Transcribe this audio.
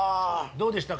「どうでしたか？」